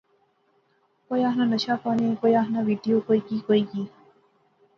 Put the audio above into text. کوئی آخنا نشہ پانی، کوِئی آخنا وڈیو۔۔۔ کوئی کی کوئی کی